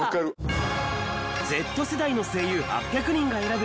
Ｚ世代の声優８００人が選ぶ！